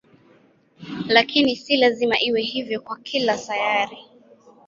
Lakini si lazima iwe hivyo kwa kila sayari.